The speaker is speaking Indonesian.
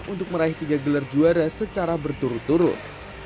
untuk meraih tiga gelar juara secara berturut turut